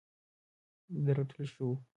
د رټل شوو